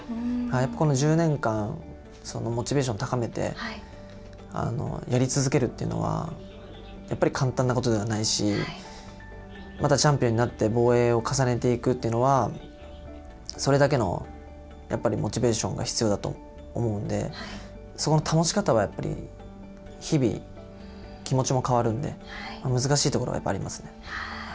やっぱりこの１０年間、モチベーション高めて、やり続けるっていうのは、やっぱり簡単なことではないし、またチャンピオンになって防衛を重ねていくっていうのは、それだけのやっぱりモチベーションが必要だと思うので、そこの保ち方はやっぱり、日々、気持ちも変わるんで、難しいところはやっぱりありますね。